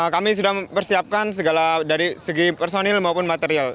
kami sudah mempersiapkan segala dari segi personil maupun material